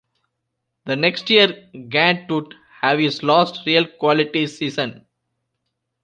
The next year, Gant would have his last real quality season.